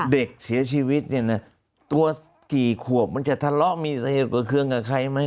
เด็กเสียชีวิตตัวสกี่ควบสมัยจะทะเลาะมีเหตุกวดคลื่องกับใครหรือไหม